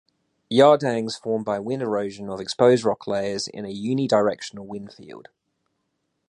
Yardangs form by wind erosion of exposed rock layers in a unidirectional wind field.